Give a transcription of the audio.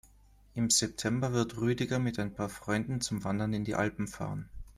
Im September wird Rüdiger mit ein paar Freunden zum Wandern in die Alpen fahren.